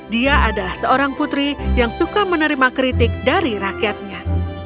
dia adalah seorang putri yang suka menerima kritik dari rakyatnya